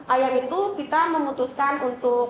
ayah itu kita memutuskan untuk